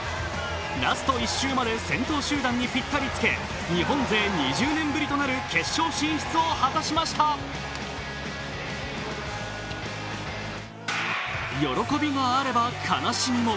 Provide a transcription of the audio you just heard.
ラスト１周まで先頭集団にぴったりつけ、日本勢２０年ぶりとなる決勝進出を果たしました喜びがあれば悲しくも。